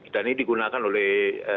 dan ini digunakan oleh